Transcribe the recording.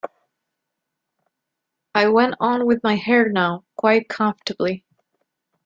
I went on with my hair now, quite comfortably.